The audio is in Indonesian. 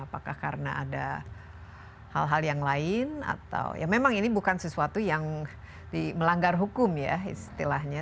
apakah karena ada hal hal yang lain atau ya memang ini bukan sesuatu yang melanggar hukum ya istilahnya